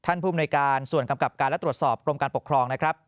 ภูมิหน่วยการส่วนกำกับการและตรวจสอบกรมการปกครองนะครับ